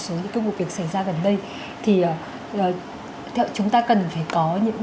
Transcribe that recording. số những cái vụ việc xảy ra gần đây thì chúng ta cần phải có những